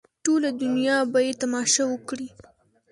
ټوله دنیا به یې تماشه وکړي.